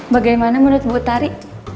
bagaimana menurut bu tari